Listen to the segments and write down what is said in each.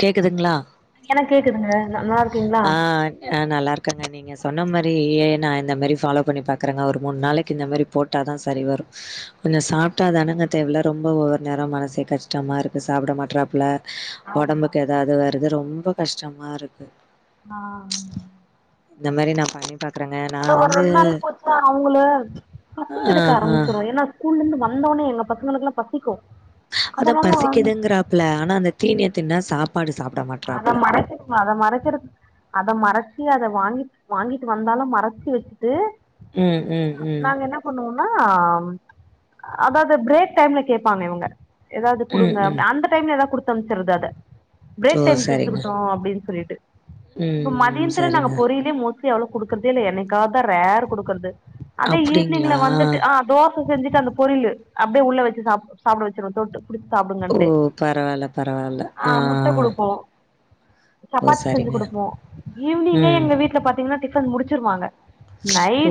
கேக்குதுங்ளா எனக்கு கேக்குதுங்க நல்லா இருக்கீங்களா ஆ நல்லா இருக்கங்க நீங்க சொன்ன மாரி ஏ நா இந்த மாரி ஃபாலோ பண்ணி பாக்குறேங்க ஒரு மூணு நாளைக்கு இந்த மாரி போட் ட்டா தா சரி வரும் கொஞ்சம் சாப்பிட்டாதானுங்க தேவல ரொம்ப ஒவ்வொரு நேரம் மனசே கஷ்டமா இருக்கு சாப்ட மாட்டறாப்புல ஆமா ஒடம்புக்கு ஏதாவது வருது ரொம்ப கஷ்டமா இருக்கு ஆன் இந்த மாரி நா பழை பாக்றங்க அதா ஒரு ரெண்ட் நாள் போச்சா அவங்களு பசி ஆ எடுக்க ஆ ஆரம்பிச்சிறு ஏன்னா ஸ்கூல்ல இருந்து வந்தோன்னே எங்க பசங்களுக்குல்லா பசிக்கும் அதா பசிக்குதுங்கிறாப்ல ஆனா அந்த தீனிய தின்டா சாப்பாடு சாப்ட மாட் அத மறக்க அத மறைக்கறது அத மறச்சி அத வாங்கி வாங்கிட்டு வந்தாலும் மறச்சு வச்சுட்டு ம் ம் ம் ஒண்ணொன்னா அதாவது பிரேக் டைம்ல கேப்பங்க இவங்க எதாவது ம் குடுங்க ம் அந்த டைம்ல எதாவது குடுத் அனுப்ச்சர்றது அத ஓ பிரேக் டைம்க்கு சரிங்க. எடுத்துக்கிட்டோ அப்டின் சொல்லிட்டு இப்ப ம் ம் மதியத்துல நாங்க சரிங்க. பொரியலே மோ ட்லி அவ்ளோ குடுக்கறதே இல்ல என்னிக்காத ரேர் குடுக்கறது அதே ஈவினிங்ல அப்டிங்களா? வந்துட்டு தோ தோச செஞ்சுட்டு அந்த பொரியலு அப்டியே உள்ள வெச்சு சாப்ட வெச்சுருவேன் தொட்டு புடுச் சாப்டுங்க ஓ பரவால்ல பரவால்ல ஆ போ ஓ! சப்பாத்தி செஞ்சு சரிங்க. குடுப்போ ஈவ்னிங்கே ம். எங்க வீட்ல பா்த்தீங்கன்னா டிஃபன் முடிச்சிருவாங்க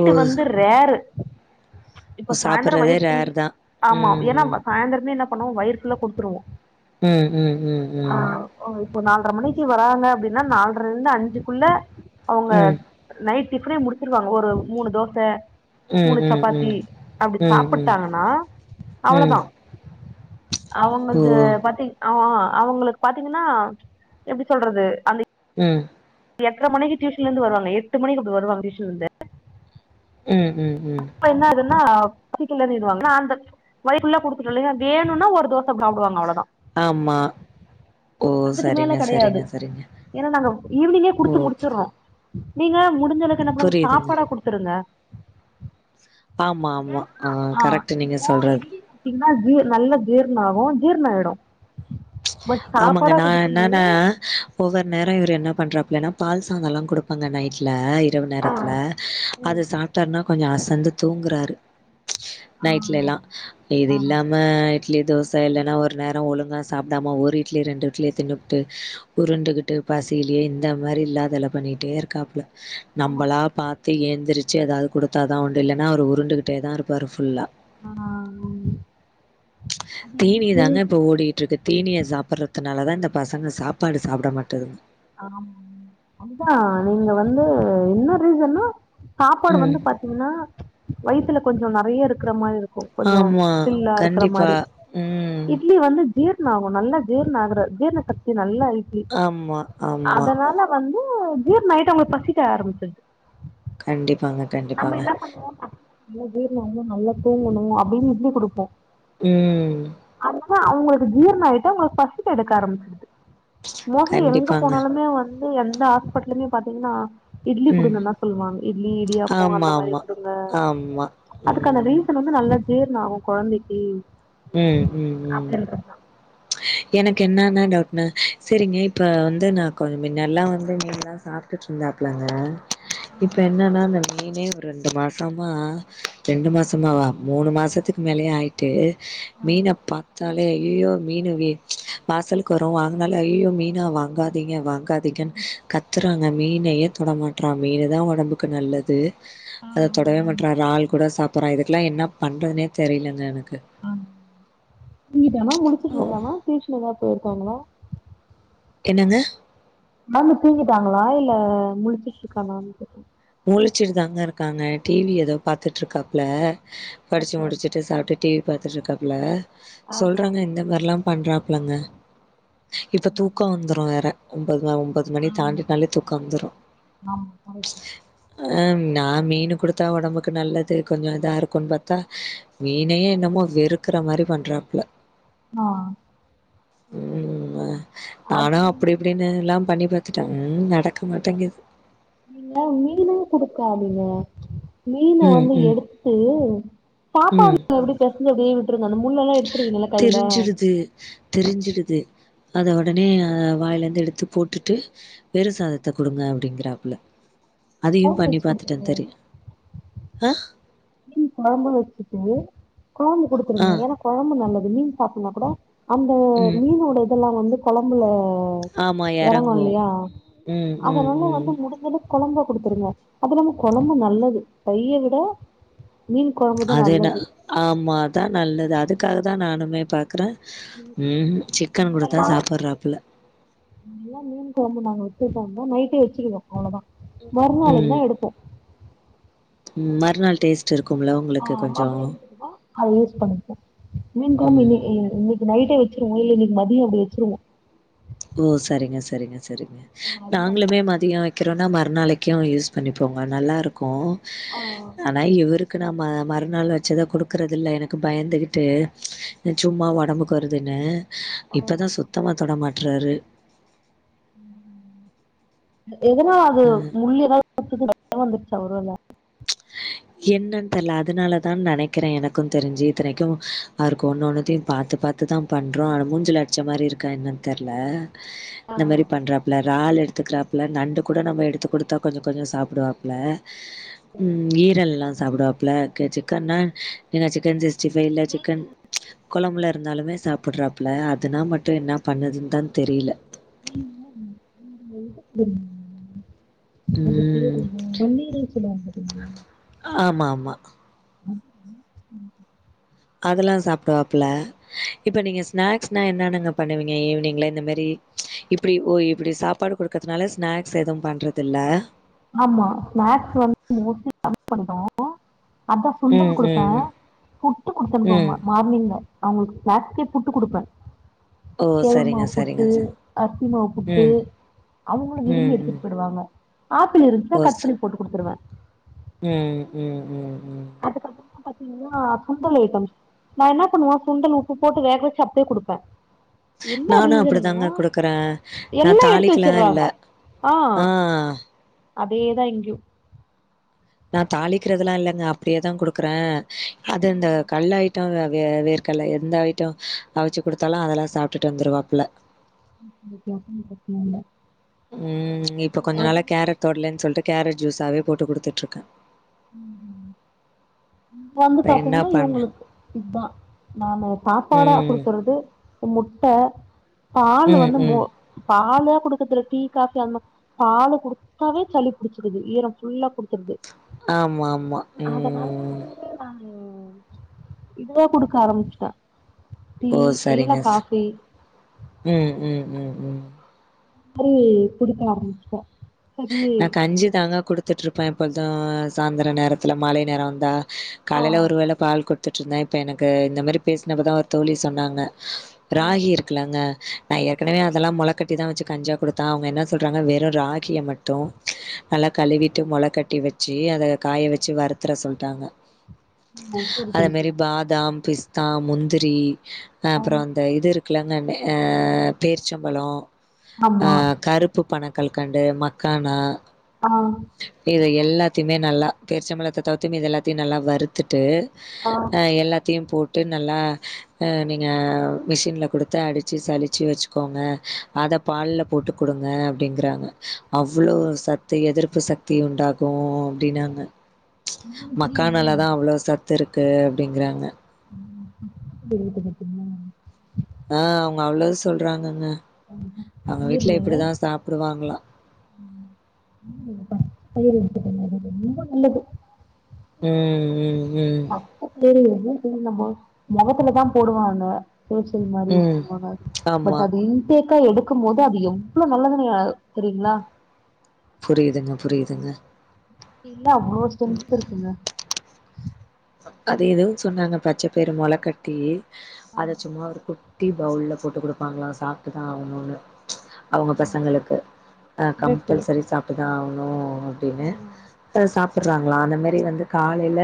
ஓ! வந்து ரேரு இப்ப சாய்ந்ரோ சாப்பிடுறதே வயிறு ஃபுல் ரேர் தான். ஆமா ஏனா ம், ம். சாய்ந்தரமே என்ன பண்ணுவோ வயிறு ஃபுல்லா குடுத்திருவோ ம் ம் ம் ம் அவுங்க இப்போ நால்டர மணிக்கு வராங்க அப்டின்னா நால்டரல இருந்து அஞ்சுக்குள்ள அவுங்க ம், நைட் டிஃபனே முடிச்சிருவாங்க ஒரு மூணு தோச மூணு ம், சப்பாத்தி ம். அப்டி ம், ம், சாப்ட்டாங்கன்னா ம். அவ்ளதா ஓ! அவுங்கள்து பாத்திங் ஆ ஆ அவுங்களுக்கு பாத்தீங்கன்னா எப்டி சொல்றது அந்த ம் எட்ற மணிக்கு டியூஷன்ல இருந்து வருவாங்க எட்டு மணிக்கு அப்டி வருவா டியூஷன்ல இருந்து ம் ம் ம் அப்ப என்ன ஆதுன்னா பசிக்கலன்னுடுவாங்க ஆன் பக் வயிறு ஃபுல்லா குடுத்துட்டோ இல்லிங்க வேணுன்னா ஒரு தோச சாப்டுவாங்க அவ்ளோ தா ஆமா ஓ அதுக்கு சரிங்க சரிங்க சரிங்க ஈவ்னிங்கே ஓ! குடுத்து முடிச்சுர்றோ நீங்க முடிஞ்சளவுக்கு என்ன பண்ணுங்க புரியுதுங்க. சாப்பாடா குடு குடுங்க ஆமா ஆமா ஆ கரெக்ட் நீங்க சொல்றது பாத்தீங்னா ஜீ நல்ல ஜீர்ண ஆகு ஜீர்ண ஆய்டு ஆமாங்க நா போது என்னனா ஒவ்வொர் நேரோ இவரு என்ன பண்றாப்லனா பால் சாதல்லா குடுப்பாங்க நைட்ல இரவு ஆ நேரத்துல அத சாப்ட்டாருன்னா கொஞ்சோ அசந்து தூங்குறாரு நைட்லல்லா ஆ இது ஆ இல்லாம இட்லி தோச இல்லன்னா ஒரு நேர ஒழுங்கா சாப்டாம ஒ ஒரு இட்லி ரெண்டு இட்லிய தின்னுப்புட்டு உருண்டுகிட்டு பசிலயே இந்த மாரி இல்லாதல பண்ணிட்டே இருக்காப்ல ஆமா நம்பளா பாத் து ஏந்திருச்சு எதாவது குடுத்தா தா உண்டு இல்லன்னா அவரு உருண்டுக்கிட்டே தா இருப்பாரு ஃபுல்லா ஆ அது தீனியே என்னது தாங்க இப்ப ஓடிட்டு இருக்கு தீனிய சாப் பர்றத்துனால தா இந்த பசங்க சாப்பாடு சாப்புட மாட்டேதுங்க ஆம் அமுதா நீங்க வந்து என்ன ரீசன்னா சாப்பாடு ம். வந்து பத் ன்னா வயித்துல கொஞ்சோ நெறய இருக்கிற மாரி இருக்கு கொஞ்சோ ஆமா ஃபில்லா இருக்குற கண்டிப்பா. மாரி ம். இட்லி வந்து ஜீர்ண ஆகு நல்லா ஜீர்ண ஆகுற ஜீர்ண சக்தி நல்லா இட்லி ஆமா ஆமா. அதனால வந்து ஜீர்ண ஆயிட்டு அவங்களுக் பசிக்க ஆரம்பிச்சுர்து கண்டிப்பாங்க கண்டிப்பாங்க. நல்ல ஜீர்ண ஆகனு நல்லா தூங்கணு அப்டின்னு இட்லி குடுப்போ ம் அது தான் அவங்களுக்கு ஜீர்ண ஆயிட்டா அவங்களுக்கு பசிக்க எடுக்க ஆரம்பிச்சிடுது மோஸ்ட்லி எங்க கண்டிப்பாங்க. போனாலுமே வந்து எந்த ஹாஸ்பிட்டலுமே பாத்தீங்னா இட்லி ம். குடுங்கன்தா சொல்லுவாங்க இட்லி இடியாப்ப அந்த மாரி ஆமாமா. குடுங்க ஆமா. ஆமா. அதுக்கான ம். ரீசன் வந்து நல்ல ஜீர்ண ஆவு கொழந்தைக்கி ம் ம் ம் எனக்கு என்னனா டவுட்டுனா செரிங்க இப்ப வந்து நா கொஞ் மின்ல்லா வந்து மீன்லா சாப் ட்டுட்டு இருந்தாப்புலங்க ஆ இப்ப என்னெனா இந்த மீனே ரெண்டு மாசமா ரெண்டு மாசமாவா மூணு மாசத்துக் மேலயே ஆயிட்டு ஆ மீன்ன பா பாத்தலே ஐயையோ மீன் வே வாசலுக்கு வரு வாங்கனாலே ஐயையோ மீனா வாங்காதீங்க வாங்கா திக்கன் கத்தறாங்க மீனையே தொடமாட்டறா மீன்தா உடம்புக்கு நல்லது ஆ அத தொடவே ஆமா மாட்றா ரால் கூட சாப்புட்றா இதுக்குல்லா என்னா பண்றதுனே தெரியலங்க எனக்கு அ தூங்கிட்டானா முழிச்சிட்டு இருக்கானா டியூசன் எதாவது போயிருக்காங்களா என்னங்க மேம் துங்கிட்டாங்களா இல்ல முழிச்சிட்டு இருக்கானான் கேட்ட முழிச்சிட்டு தாங்க இருக்காங்க டிவி எதோ பாத்துட்டு இருக்காப்ல படிச்சு ஓகே ஓகே முடிச்சிட்டு சாப்ட்டு டிவி பாத்துட்டு இருக்காப்ல ஆஹா சொல்றாங்க இந்த மாரிலா பண்றாப்லங்க இப்ப தூக்கம் வந்துரும் வேற ஒன்பது ஒன்பது மணி ஆமா தாண்டிட்டனாலே தூக்கம் வந்துரு ஆமா [unintelligible] அ நா மீன் கொடுத்தா உடம்புக்கு நல்லது கொஞ்சோ இதா இருக்குன்னு பாத்தா மீனையே என்னமோ வெறுக்கற மாரி பண்றாப்ல ஆ ம் அது நானா அப்டி [unintelligible] எல்லா பண்ணி பாத்துட்டேங்க நடக்க ம் மாட்டேங்குது நீங்க மீன் குடுக்கதீங்க மீனா ம், வந்து ம், எடுத்து ம். சாப்பாடுல அப்டியே பேசச்சு அப்டியே விட்டுருங்க அந்த முள்ள எல்லா எடுத்துருவீங்கல்ல கையில [unintelligible] தெரிஞ்சிடுது அத உடனே வாயிலேருந்து எடுத்து போட்டுட்டு வெறும் சாதத்த குடுங்க அப்படிங்கறாப்புல அதயு வேக பண்ணி வச்சு பாத்துட்டே குடுத்துருங்க தெரியு ஆ மீன் குழம்பு வச்சிட்டு குழம்பு ஆ குடுத்துருங்க ஏன்னா குழம்பு நல்லது மீன் சாப்பிடனாலு கூட அந்த ம் மீனோட இதெல்லா வந்து குழம்புல ஆமா இறங்கு எறங்கு இல்லயா ம் அத ம் வந்து ம் வந்து முடிஞ்சளவுக்கு குழம்பா குடுத்துருங்க அப்பறம் குழம்பு நல்லது தைய விட மீன் குழும்பு அது என்ன ஆமா அதா நல்லது அதுக்காக தா நானுமே பாக்கறே ம்கு சிக்கன் கொடுத்தா சாப்படறாப்புல நாங்க எல்லா மீன் குழம்பு நாங்க வைக்கறதா இருந்த நைட்டே வச்சிடுவோ அவ்வளவுதா மறுநாளுக்கு தா எடுப்போ ம் மறு நாள் டேஸ்ட்டு இருக்கும்லல உங் ஆ அம்மா [unintelligible] அத யூஸ் பண்ணிப்போம் மீன் ம் குழம்பு [unintelligible] நைட்டே வச்சிருவோ இல்ல இன்னைக்கே மதியம் அப்படி வச்சிருவோம் ஓ சேரிங்க சேரிங்க சேரிங்க நாங்களுமே மதிய திரும்ப மறுநாளைக்கு யூஸ் பண்ணிப்போங்க நல்லாயிருக்கு ஆ ஆனா இவருக்கு நா ம மறுநாள் வச்சதா குடுக்கறது இல்ல எனக்கு பயந்துகிட்டு சும்மா உடம்புக்கு வருதுன்னு ஆ இப்போ தா சுத்தமாக தொடமாட்றாரு ம் எதனாலா அது அ. முள்ளு ஏதாவது குத்தி இரத்தம் வந்துருச்சா ஒரு வேள [unintelligible] என்னன்னு தெரியல அதனால தா நினைக்கிறே எனக்கு தெரிஞ்சி இத்தனைக்கு ஆவருக்கு ஒன்னு ஒன்னுத்தையு பாத்து பாத்து அது தா பண்றோ ஆனா மூஞ்சில அடிச்ச மாரி இருக்கான்னு என்னன்னு தெரியில ஆ இந்த மாதிரி பண்றாப்ல றால்லு எடுத்துக்கிறாப் இல்ல நண்டு கூட நம்ம எடுத்து கொடுத்தா கொஞ்சோ கொஞ்சம்சோ சாப்படுவாப்புல ம் ஈரல் எல்ல சாப்டுவாப்புல அப்ற சிக்கன்னா ஏனா சிக்கன் சிக்ஸ்டிபைவ்ல நீ சிக்கன் கொழம்புல இருந்தாலுமே சாப்பிட்றாப்பல அதுனா மட்டு என்ன பண்ணுதுன்னு தா தெரியல நீங்க அங்க ஏதா பண்ற அது பேர் ம். என்ன பன்னிர்ருனு சொல்லுவாங்க பாத்திங்களா ஆமா ஆமா அதெல்லா சாப்பிடுவாப்புல இப்ப நீங்க ஸ்நாக்ஸ்னா என்னென்னங்க பண்ணுவீங்க ஈவினிங்ல இந்த மாரி இப்படி ஓ இப்படி சாப்பாடு குடுக்கறதுனால ஸ்நாக்ஸ் எதுவு பண்றது இல்ல ஆமா ஸ்நாக்ஸ் வந்து மோஸ்ட்லி கம்மி பண்ணிட்டோம் அதான் ம் சுண்டல் ம் குடுப்பேன் புட்டு ம் குடுத்தனுப்புவாங்க மார்னிங்ல அவங்களுக்கு ஜாஸ்தி புட்டு குடுப்பேன் ஓ கேவ்ரு சரிங்க மாவு சரிங்க புட்டு ச அரிசி மாவு புட்டு ம் அவங்களும் விரும்பி ம் ம் எடுத்துட்டு போய்டுவாங்க ஆப்பிள் இருந்துச்சன்னா ஓ கட் ச பண்ணி போட்டு குடுத்துருவேன் ம் ம் ம் ம் அதுக்கப்பறமா பாத்தீங்கன்னா சுண்டல் அய்ட்டம்ஸ் நான் என்ன பண்ணுவ சுண்டல் உப்பு போட்டு வேக வச்சு அப்டியே குடுப்பேன் என்ன நானு ரீசன்னா அப்டிதாங்க குடுக்கறே நா எல்லாம் எடுத்து தாளிக்கலா இல்ல வச்சறாங்க அ ஆ அப்டியேதா இங்கும் நான் தாளிக்கிறதெல்லாம் இல்லைங்க அப்டியேதான் குடுக்குறேன் அது இந்த கல்லாயிட் ட்டம் வேர்கல்ல எந்த ஐட்டம் அவிச்சு குடுத்தாலும் அதெல்லாம் சாப்ட்டுட்டு வந்துடுவாப்புல ஓகே ஓகே அப்ப ஒண்ணும் பிரச்சனயில்ல ம் இப்ப கொஞ்ச நாள கேரட் தொடலன்னு சொல்லிட்டு கேரட் ஜூஸாவே போட்டு குடுத்துட்டு இருக்கேன் ம் ம் ம் வந்து இப்ப என்னா பாத்தீங்கன்னா பண்ண இவங்களுக்கு இத்தான் நாநூறு சாப்பாடா ம். குடுக்குறது முட்ட பால் ம், வந்து ம். மோ பாலா குடுக்கறதுல்ல டீ காபி அந்த பாலு குடுத்தாவே சளி புடிச்சிருது ஈரம் ஃபுல்லா குடுத்துருது ஆமா ஆமா அதனால நானு இதுவா குடுக்க ஆரம்பிச்சிட்டேன் டீ ஓ! இல்லன்னா சரிங்க. ஸ் காபி ம் ம் ம் ம் மாரி குடுக்க ஆரம்பிச்சுட்டே சரி நான் கஞ்சிதாங்கா குடுத்துட்டு இருப்பேன் எப்பொழுதும் சாயந்திர நேரத்துல மாலை நேரம் வந்தா ஆ காலையில ஒருவேள பால் குடுத்துட்டு இருந்தேன் இப்போ எனக்கு இந்த மாரி பேசினப்ப தான் ஒரு தோழி சொன்னாங்க ஆ ராகி இருக்குலங்க நான் ஏற்கனவே அதெல்லாம் மொளக்கட்டி தான் வச்சு கஞ்சா கொடுத்தே அவங்க என்ன சொல்றாங்க வெறும் ராகிய மட்டும் நல்லா கழுவிட்டு மொள கட்டி வச்சு அதை காய வச்சு வறுத்துற சொல்ட்டாங்க ஓ சரி அதே சரி மாரி சரி பாதாம் பிஸ்தா முந்திரி அ ஆ அப்புறம் தே இது இருக்குலங்க அ பேர்ச்சம்பழம் அ ஆமா கருப் பு பனங்கல்கண்டு மக்கானா அ இது எல்லாத்தையுமே நல்லா பேரிச்சம்பழத்த தவுத்து இது எல்லாத்தையும் நல்லா வறுத்துட்டு ஆ அ எல்லாத்தையும் போட்டு நல்லா நீங்க மிஷின்ல குடுத்து அடிச்சு சலிச்சு வச்சுக்கோங்க அத பால்ல‌ போட்டு குடுங்க அப்டிங்கறாங்க அவ்ளோ சத்து எதிர்ப்பு சக்தி உண்டாகும் அப்டின்னாங்க உங்களுக்கு தெரியுங்களா மக்கானலதா அவ்ளோ சத்து இருக்கு அப்டிங்கிறாங்க ம் தெரியு தெரியு சொன்னாங்க ஆ அவுங்க அவ்ளோ சொல்றாங்கங்க அந்த பச்ச அவுங்க வீட்ல பயிர்ல இப்டிதா சாப்டுவாங்களா [inaudible] ரொம்ப நல்லது ம் ம் ம் பக்கத்துல எதும் போடலாமா மொகத்துலதா போடுவாங்க ஃபேஷியல் மாரி யூஸ் ம். பண்ணுவாங்க ஆமா. பட் அதையும் ஃபேக்கா எடுக்கும் போது அது எவ்ளோ நல்லதுனு செரிங்ளா புரியுதுங்க புரியுதுங்க இல்ல அவ்ளோ ஸ்டென்த் இருக்குங்க அத எதோ சொன்னாங்க பச்ச பயிறு மொள கட்டி ஆ, அத சும்மா ஒரு குட்டி பவுல்ல போட்டு குடுப்பாங்ளா சாப்ட்டுதா ஆவணுனு அவுங்க ஆமா பசங்களுக்கு ஆ கரெக்ட் கம்பல்சரி சாப்டுதா ஆவணு அப்டின்னு ப்ப சாப்புறாங்களா அந்த மாரி வந்து காலைல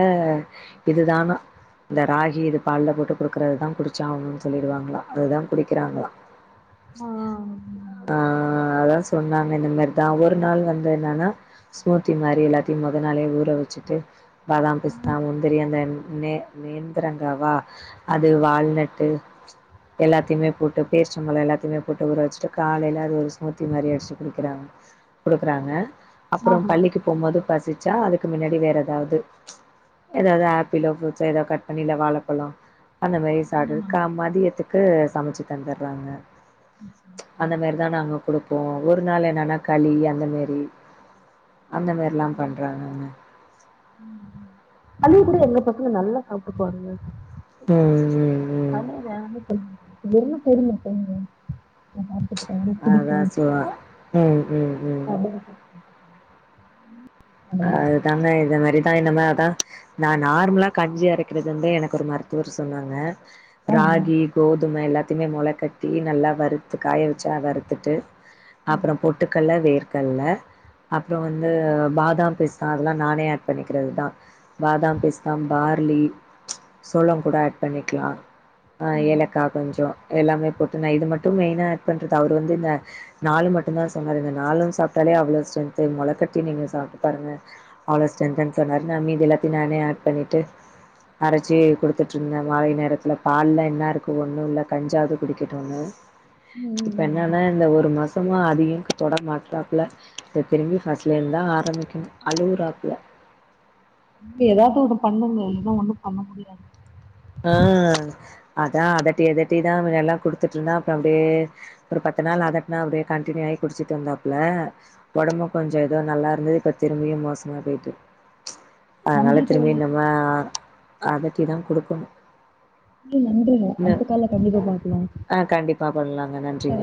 இதுதானா இந்த ராகி இது பால்ல போட்டு குடுக்றதுதா குடிச்சே அவனுனு சொல்லிடுவாங்களா அதுதா குடிக்கிறாங்களா ஆ ஆ, ஆ அதா சொன்னாங்க இந்த மாரிதா ஒருநாள் வந்து என்னன்னா ஸ்மூத்தி மாரி எல்லாத்தையு மொத நாளே ஊற வச்சிட்டு பாதாம் பிஸ் தெரிய அந்த நேன் நேந்திரங்கவா அது வால்நட்டு எல்லாத்தையுமே போட்டு பேரிச்சம்பலம் எல்லாத்தையுமே போட்டுஊற வச்சுட்டு காலைல அது ஒரு ஸ்மூத்தி மாரி அடிச்சி குடிக்கிறாங்க குடுக்குறாங்க அப்புறம் ஆஹா பள்ளிக்கு போம்போது பசிச்சா அதுக்கு முன்னாடி வேற எதாவ்து எதாவ்து ஆப்பிளோ ப்ரூட்ஸ்சோ எதோ கட் பண்ணியோ இல்ல வாழப்பழொ அந்த மாரி அந்த சாருக்க மாதிரி மதியத்துக் கு சமச்சு தந்துறாங்க அந்த மாரிதா நாங்க குடுப் ப்போ ஒரு நாள் என்னன்னா களி அந்த மெரி அந்த மேரில்லா பண்றாங்க களிய கூட எங்க பசங்க நல்லா சாப்ட்டுப்பாங்கங்க ம் ம் ம். களி வேணான் அதான் [unintelligible] சுவா ம் ம் ம். [unintelligible] சொல்லுவாங்க. அதுதாங்க இத மாரிதா இன்னம அதா நா நார்மலா கஞ்சி அரைக்கிறது வந்து எனக்கு ஒரு மருத்துவர் சொன்னாங்க ஆ ராகி கோதும எல்லாத்தையுமே மொள கட்டி நல்லா வறுத்து காய வச்சா வறுத்துட்டு ஆ அப்புறொ பொட்டுக்கல்ல வேர்கல்ல அப்புறொ வந்து பாதா தாம் பிஸ்தா அதெல்லா நானே ஆட் பண்ணிக்றதுதா பாதாம் பிஸ்தா பார்லி சோளம் கூட ஆட் பண்ணிக்லா ஆ ஏலக்கா கொஞ்சோ எல்லாமே போட்டு நா இது மட்டு மெய்னா ஆட் பண்றது அவுர் வந்து இந்த நாலு மட்டுந்தா சொன்னாரு இந்த நாலும் சாப்ட்டாலே அவ்ளோ ஸ்டென்த் மொளகட்டி நீங்க சாப் பாருங்க அவ்ளோ ஸ்டென்த்துனு சொன்னாரு நா மீதி எல்லாத்தையு நானே ஆட் பண்ணிட்டு அரச்சி குடுத்துட்டுருந்தே மாலை நேரத்துல பால்ல என்னா இருக்கு ஒன்னு இல்ல கஞ்சாவ்து குடிக்குட்டுனு ம் இப்ப ம் என் ம் ஆனா இந்த ஒரு மாசமா அதியு தொட மாட்டாப்புல இத்தனைக்கும் ஃபர்ஸ்லருந்துதா ஆரம்பிக் ம் அலுவுராப்ல நீங்க எதாவ்து ஒன்னு பண்ணுங்க இல்லன்னா ஒன்னும் பண்ண முடியாது ஆ அதா அதட்டி அததட்டிதா அதலா குடுத்துட்ருந்த அப்பறம் அப்டியே ஒரு பத்து நாள் அதட்னே அப்டியே கண்ட்டினியூ ஆயி குடிச்சிட்ருந்தாப்ல ஒடம்பு கொஞ்சொ எதோ நல்லா இருந்துது இப்ப திரும்பியு மோசமா போய்ட்டு அதனால நன்றி திரும்பி தோழி நம்ம அதட்டிதா குடுக்கணு [unintelligible] நன்றிங்க இன்னு அடுத்த கால்ல கண்டினியூ பண்ணிக்லா ஆ கண்டிப்பா பண்லாங்க நன்றிங்க